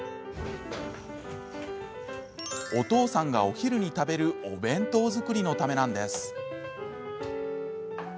お父さんが、お昼に食べるお弁当作りのためなんです。